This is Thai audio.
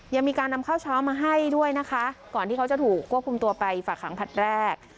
ยังมีการนำข้าวเช้ามาให้ด้วยนะคะก่อนที่เขาจะถูกควบคุมตัวไปฝากหางผัดแรก